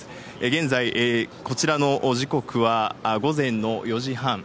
現在、こちらの時刻は午前の４時半。